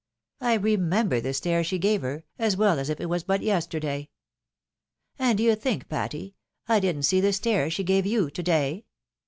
I remember the stare she gave her, as well as if it was but yesterday. And d'ye think, Patty, I didn't see the stare she gave you to day?